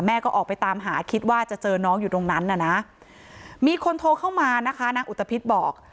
ก็ออกไปตามหาคิดว่าจะเจอน้องอยู่ตรงนั้นน่ะนะมีคนโทรเข้ามานะคะนางอุตภิษบอก